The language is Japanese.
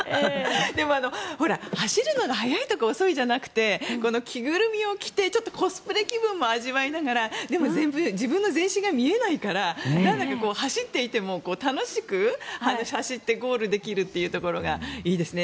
走るのが早いとか遅いとかじゃなくて着ぐるみを着てコスプレ気分も味わいながらでも自分の全身が見えないから走っていても楽しく走ってゴールできるというところがいいですね。